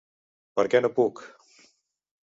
Perquè no puc.